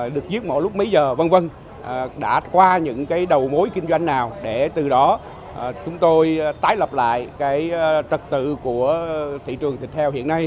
được giết mổ lúc bấy giờ v v đã qua những cái đầu mối kinh doanh nào để từ đó chúng tôi tái lập lại cái trật tự của thị trường thịt heo hiện nay